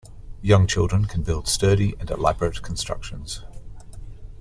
Young children can build sturdy and elaborate constructions.